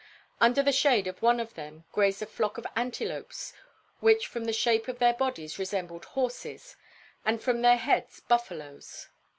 Under the shade of one of them grazed a flock of antelopes which from the shape of their bodies resembled horses, and from their heads buffaloes.